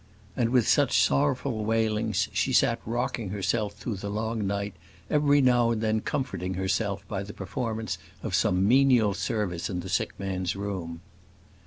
And with such sorrowful wailings she sat rocking herself through the long night, every now and then comforting herself by the performance of some menial service in the sick man's room.